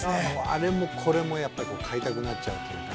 ◆あれもこれもやっぱり買いたくなっちゃうというか。